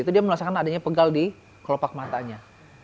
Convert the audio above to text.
itu dia merasakan adanya pegal di kelopak matanya